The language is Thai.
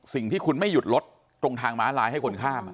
สิ่งที่คุณไม่หยุดรถตรงทางม้าลายให้คนข้าม